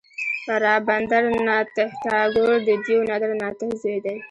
رابندر ناته ټاګور د دیو ندر ناته زوی دی.